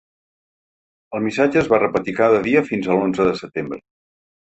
El missatge es va repetir cada dia fins a l’onze de setembre.